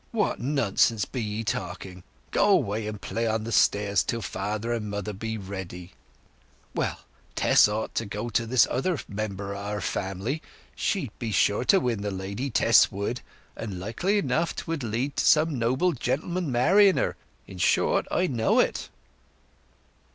What nonsense be ye talking! Go away, and play on the stairs till father and mother be ready!... Well, Tess ought to go to this other member of our family. She'd be sure to win the lady—Tess would; and likely enough 'twould lead to some noble gentleman marrying her. In short, I know it."